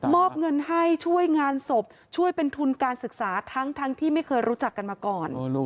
อบเงินให้ช่วยงานศพช่วยเป็นทุนการศึกษาทั้งที่ไม่เคยรู้จักกันมาก่อน